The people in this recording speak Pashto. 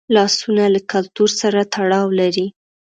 لاسونه له کلتور سره تړاو لري